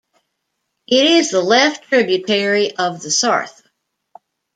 It is a left tributary of the Sarthe.